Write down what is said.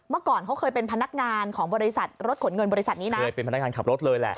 ก่อนเขาเคยเป็นพนักงานของบริษัทรถขนเงินบริษัทนี้นะเคยเป็นพนักงานขับรถเลยแหละ